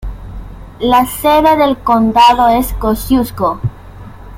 La sede del condado es Kosciusko.